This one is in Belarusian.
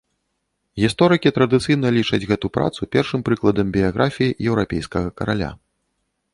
Гісторыкі традыцыйна лічаць гэту працу першым прыкладам біяграфіі еўрапейскага караля.